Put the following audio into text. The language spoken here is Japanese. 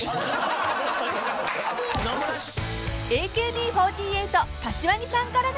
［ＡＫＢ４８柏木さんからの質問］